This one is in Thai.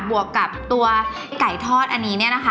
วกกับตัวไก่ทอดอันนี้เนี่ยนะคะ